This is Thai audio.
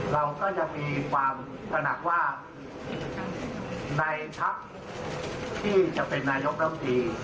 เราก็จะมีความสนับว่าในพักที่จะเป็นนายกรัฐธรรมดี